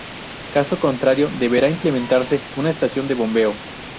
Caso contrario deberá implementarse una estación de bombeo.